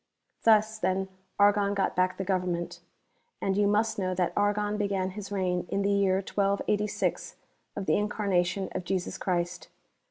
Thus then Argon got back the government. And you must know that Argon began his reign in the year 1286 of the Incarnation of Jesus Christ.